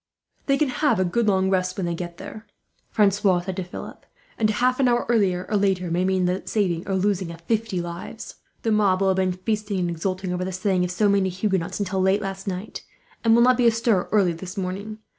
"They can have a good, long rest when they get there," Francois said to Philip; "and half an hour, earlier or later, may mean the saving or losing of fifty lives. The mob will have been feasting, and exulting over the slaying of so many Huguenots, until late last night; and will not be astir early, this morning.